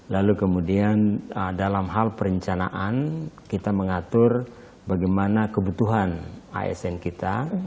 lalu kemudian dalam hal perencanaan kita mengatur bagaimana kebutuhan asn kita